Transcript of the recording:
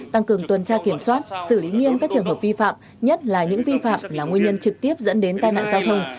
tăng cường tuần tra kiểm soát xử lý nghiêm các trường hợp vi phạm nhất là những vi phạm là nguyên nhân trực tiếp dẫn đến tai nạn giao thông